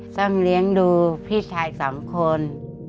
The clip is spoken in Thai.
ต้องเลี้ยงดูพี่ชายสองคน